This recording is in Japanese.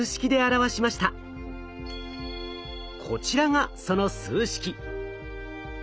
こちらがその数式。